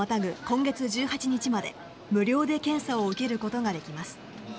今月１８日まで無料で検査を受けることができます。